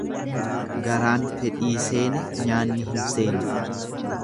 Garaan fedhii seene nyaanni hin seenu.